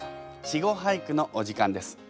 「稚語俳句」のお時間です。